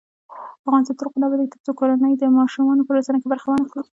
افغانستان تر هغو نه ابادیږي، ترڅو کورنۍ د ماشومانو په روزنه کې برخه وانخلي.